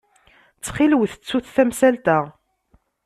Ttxil-wet, ttut tamsalt-a.